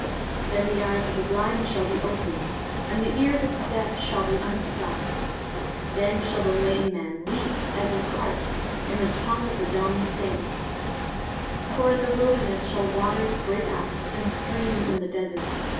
23:035:005 Then the eyes of the blind shall be opened, and the ears of the deaf shall be unstopped. 23:035:006 Then shall the lame man leap as an hart, and the tongue of the dumb sing: for in the wilderness shall waters break out, and streams in the desert.